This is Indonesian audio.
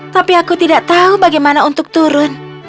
tapi aku tidak tahu bagaimana untuk turun